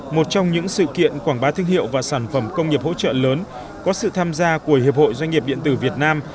một trong những sự kiện quảng bá thương hiệu và sản phẩm công nghiệp hỗ trợ lớn có sự tham gia của hiệp hội doanh nghiệp điện tử việt nam